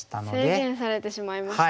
制限されてしまいましたね。